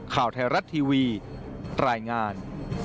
ข่าวไทยรัฐทีวีรายงาน